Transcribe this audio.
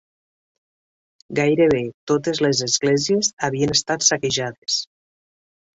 Gairebé totes les esglésies havien estat saquejades